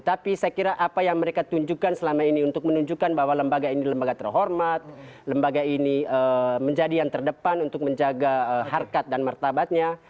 tapi saya kira apa yang mereka tunjukkan selama ini untuk menunjukkan bahwa lembaga ini lembaga terhormat lembaga ini menjadi yang terdepan untuk menjaga harkat dan martabatnya